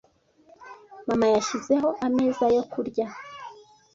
Mama yashyizeho ameza yo kurya.